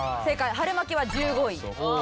春巻は１５位。